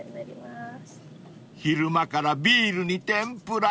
［昼間からビールに天ぷら。